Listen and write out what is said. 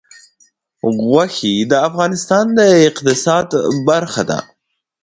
غوښې د افغانستان د اقتصاد برخه ده.